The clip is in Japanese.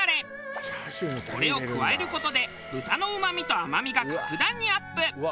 これを加える事で豚のうまみと甘みが格段にアップ。